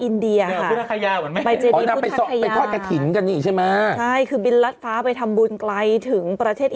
นักไปไหน